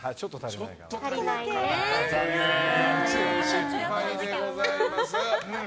失敗でございます。